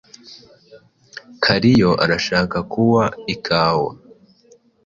Kariyo arashaka kuwa ikawa.